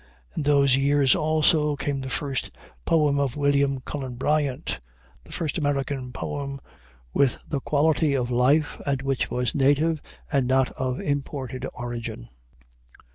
In those years also came the first poem of William Cullen Bryant, the first American poem with the quality of life and which was native and not of imported origin.